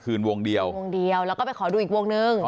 วงเดียววงเดียวแล้วก็ไปขอดูอีกวงนึง